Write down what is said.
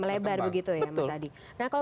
melebar begitu ya mas adi